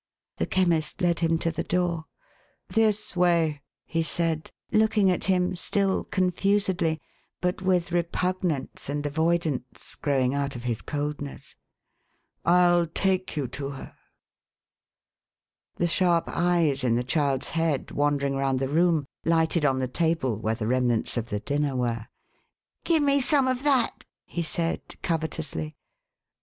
The Chemist led him to the door. "This way," he said, looking at him still confusedly, but with repugnance and avoidance, growing out of his coldness. '* Fll take you to her.* The sharp eyes in the child's head, wandering round the room, lighted on the table where the remnants of the dinner were. " Give me some of that !" he said, covetously.